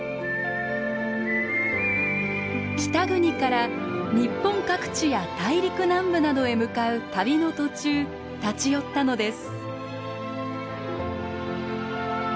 北国から日本各地や大陸南部などへ向かう旅の途中立ち寄ったのです。